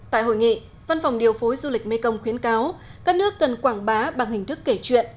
tại hội nghị văn phòng điều phối du lịch mekong khuyến cáo các nước cần quảng bá bằng hình thức kể chuyện